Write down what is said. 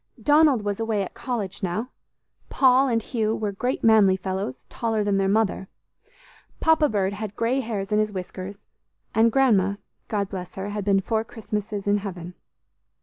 Donald was away at college now. Paul and Hugh were great manly fellows, taller than their mother. Papa Bird had grey hairs in his whiskers; and Grandma, God bless her, had been four Christmases in heaven.